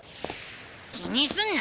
気にすんな。